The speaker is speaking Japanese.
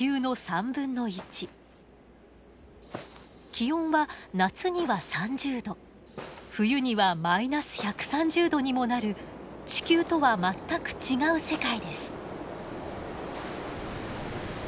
気温は夏には３０℃冬には−１３０℃にもなる地球とは全く違う世界です。